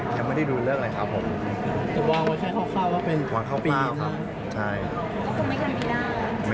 แคมป์ไม่ได้รู้เรื่องอะไรครับผม